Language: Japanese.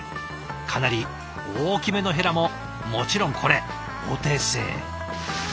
かなり大きめのヘラももちろんこれお手製。